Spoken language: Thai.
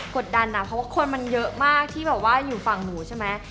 ดดันอ่ะเพราะว่าคนมันเยอะมากที่แบบว่าอยู่ฝั่งหมูใช่ไหม